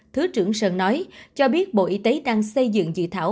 thứ trưởng sơn nói cho biết bộ y tế đang xây dựng dự thảo